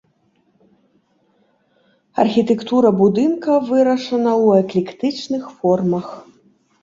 Архітэктура будынка вырашана ў эклектычных формах.